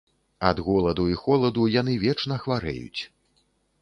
Ад голаду і холаду яны вечна хварэюць.